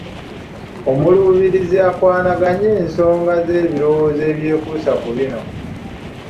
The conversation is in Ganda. Omuluubirizi akwanaganye ensonga ze n’ebirowoozo ebyekuusa ku bino